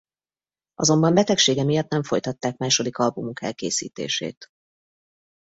Azonban betegsége miatt nem folytatták második albumuk elkészítését.